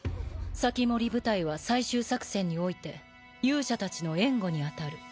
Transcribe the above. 防人部隊は最終作戦において勇者たちの援護に当たる。